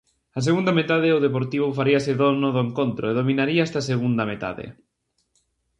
A segunda metade o Deportivo faríase dono do encontro e dominaría esta segunda metade.